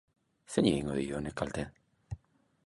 Zeini egingo dio honek kalte?